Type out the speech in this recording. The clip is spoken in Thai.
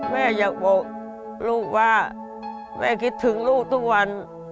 แม่อยากบอกลูกว่าแม่คิดถึงลูกทุกวัน